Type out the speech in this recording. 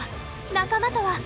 仲間とは？